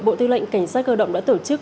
bộ tư lệnh cảnh sát cơ động đã tổ chức